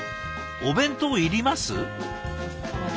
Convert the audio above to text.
お弁当いります？